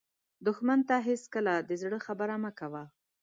دښمن ته هېڅکله د زړه خبره مه کوه